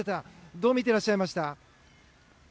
どう見てらっしゃいました？